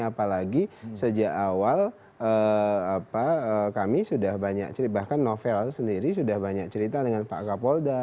apalagi sejak awal kami sudah banyak cerita bahkan novel sendiri sudah banyak cerita dengan pak kapolda